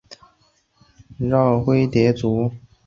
娆灰蝶族是灰蝶科线灰蝶亚科里的一个族。